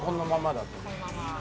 だと。